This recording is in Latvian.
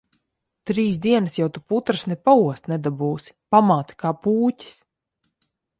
Trīs dienas jau tu putras ne paost nedabūsi. Pamāte kā pūķis.